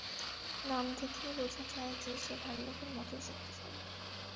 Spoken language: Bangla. নাম থেকেই বোঝা যায় যে, সে ভাল্লুকের মতই শক্তিশালী।